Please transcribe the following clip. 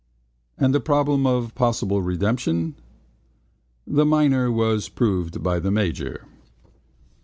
And the problem of possible redemption? The minor was proved by the major.